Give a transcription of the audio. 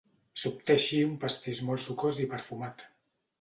S'obté així un pastís molt sucós i perfumat.